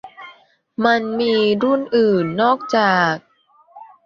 มันมีรุ่นอื่นนอกจาก